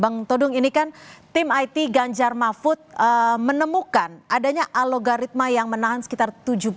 bang todung ini kan tim it ganjar mahfud menemukan adanya alogaritma yang menahan sekitar tujuh belas